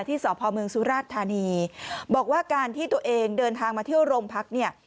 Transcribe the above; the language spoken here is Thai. สพเมืองสุราชธานีบอกว่าการที่ตัวเองเดินทางมาเที่ยวโรงพักเนี่ย